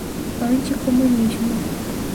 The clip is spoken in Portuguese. anticomunismo